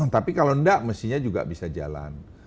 tapi kalau enggak mestinya juga bisa jalan